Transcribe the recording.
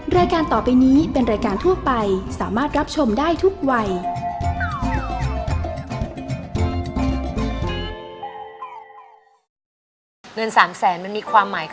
รายการต่อไปนี้เป็นรายการทั่วไปสามารถรับชมได้ทุกวัย